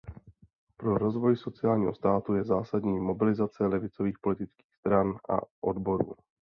Pro rozvoj sociálního státu je zásadní mobilizace levicových politických stran a odborů.